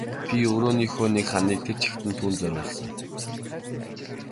Би өрөөнийхөө нэг ханыг тэр чигт нь түүнд зориулсан.